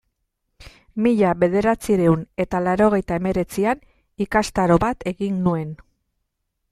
Mila bederatziehun eta laurogeita hemeretzian ikastaro bat egin nuen.